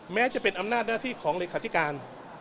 แม้จะเป็นอำนาจหน้าที่ของเลขาธิการ